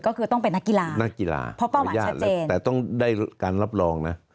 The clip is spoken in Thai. ก็คือต้องเป็นนักกีฬาเพราะเป้าหมายชัดเจนแต่ต้องได้การรับรองนะ